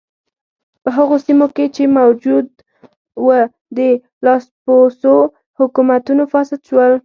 په هغو سیمو کې چې موجود و د لاسپوڅو حکومتونو فاسد شول.